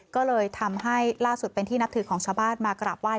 ก็เลยทำให้ล่าสุดเป็นที่นับถือของชาวบ้านมากราบไห้